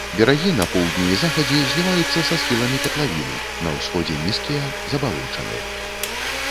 Берагі на поўдні і захадзе зліваюцца са схіламі катлавіны, на ўсходзе нізкія, забалочаныя.